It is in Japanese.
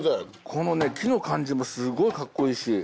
この木の感じもすごいカッコいいし。